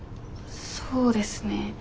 そうですね。